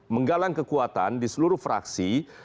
menggalang kekuatan di seluruh fraksi